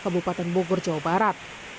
kebupatan bogor jawa barat